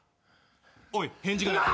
おい返事がないぞ。